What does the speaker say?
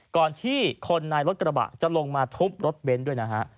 ก่อนที่คนในรถกระบะจะลงมาทุบรถเบนท์ด้วยนะฮะ